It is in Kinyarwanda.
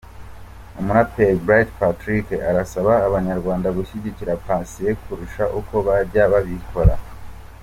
Umuraperi Bright Patrick arasaba abanyarwanda gushyigikira Patient kurusha uko bajyaga babikora.